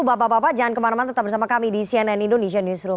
bapak bapak jangan kemana mana tetap bersama kami di cnn indonesia newsroom